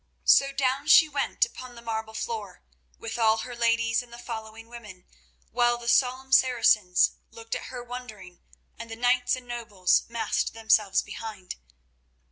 So down she went upon the marble floor, with all her ladies and the following women, while the solemn Saracens looked at her wondering and the knights and nobles massed themselves behind.